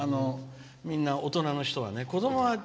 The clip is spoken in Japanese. みんな大人の人はね。